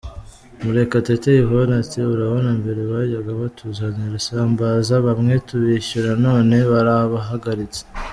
Murekatete Yvonne ati “Urabona mbere bajyaga batuzanira isambaza, bamwe tubishyura none barabahagaritse.